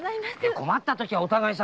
困ったときはお互い様。